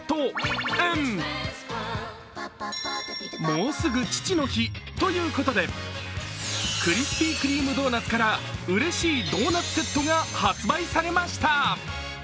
もうすぐ父の日ということでクリスピー・クリーム・ドーナツからうれしいドーナツセットが発売されました。